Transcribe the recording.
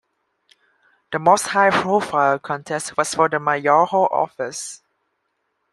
The most high-profile contest was for the mayoral office.